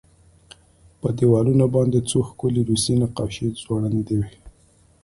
په دېوالونو باندې څو ښکلې روسي نقاشۍ ځوړندې وې